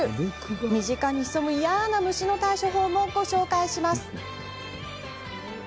身近に潜む嫌な虫の対処法もご紹介します。